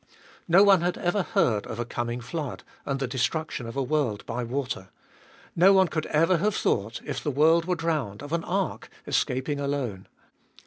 No one had ever heard of a coming flood, and the destruction of a world by water. No one could ever have thought, if the world were drowned, of an ark escaping alone.